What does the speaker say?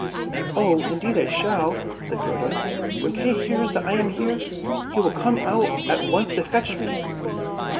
" Oh, indeed I shall," said Gerda; " when Kay hears that I am here, he will come out at once to fetch me."